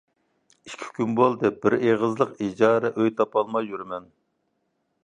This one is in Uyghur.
ئىككى كۈن بولدى، بىر ئېغىزلىق ئىجارە ئۆي تاپالماي يۈرىمەن.